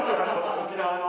沖縄の。